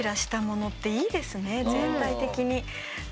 全体的に。